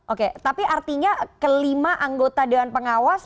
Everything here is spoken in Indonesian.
oke tapi artinya kelima anggota dewan pengawas